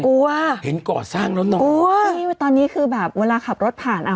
กลัวเห็นก่อสร้างแล้วโน่มันกลัวโอ้โฮนี่ตอนนี้คือแบบเวลาขับรถผ่าน